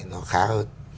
nó khá hơn